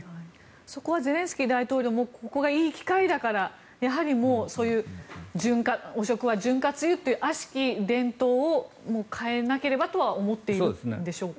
そこはゼレンスキー大統領もここがいい機会だからやはり、そういう汚職は潤滑油というあしき伝統を変えなければとは思っているんでしょうか。